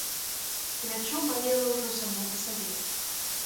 Плячо балела ўжо само па сабе.